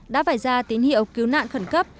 đã vải ra tín hiệu cứu nạn khẩn cấp